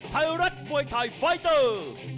ไทยรัฐมวยไทยไฟเตอร์